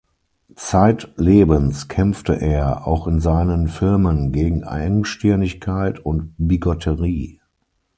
Zeitlebens kämpfte er, auch in seinen Filmen, gegen Engstirnigkeit und Bigotterie.